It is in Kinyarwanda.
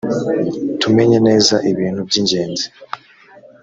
tumenye neza ibintu by ‘ingenzi.